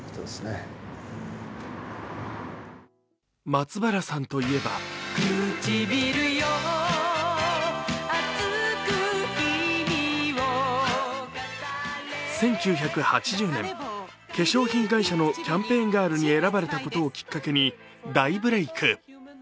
松原さんといえば１９８０年、化粧品会社のキャンペーンガールに選ばれたことをきっかけに大ブレーク。